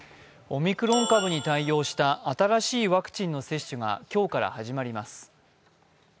オミクロン株に対応した新しいワクチンの接種が今日から始まります。